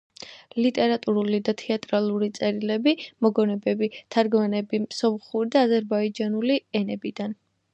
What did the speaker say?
ლიტერატურული და თეატრალური წერილები, მოგონებები, თარგმანები სომხური და აზერბაიჯანული ენებიდან.